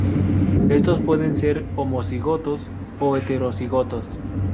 Estos pueden ser homocigotos o heterocigotos.